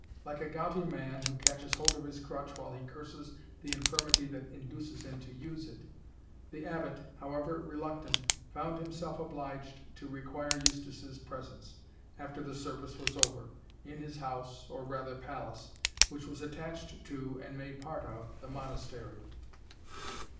Like a gouty man, who catches hold of his crutch while he curses the infirmity that induces him to use if, the Abbot, however reluctant, found himself obliged to require Eustace's presence, after the service was over, in his house, or rather palace, which was attached to, and made part of, the Monastery.